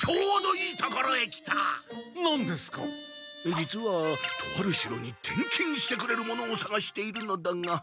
実はとある城に転勤してくれる者をさがしているのだが。